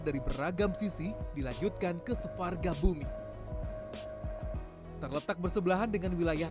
dari beragam sisi dilanjutkan ke separga bumi terletak bersebelahan dengan wilayah